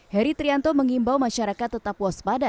heri trianto mengimbau masyarakat tetap waspada